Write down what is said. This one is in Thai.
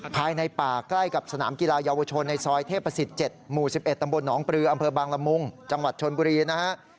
ภายในป่าใกล้กับสนามกีฬาเยาวชนในซอยเทพศิษย์๗หมู่๑๑ตำบลหนองปลืออำเภอบางละมุงจังหวัดชนบุรีนะฮะ